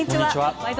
「ワイド！